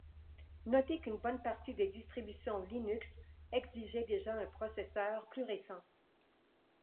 Notez qu'une bonne partie des distributions Linux exigeaient déjà un processeur plus récent.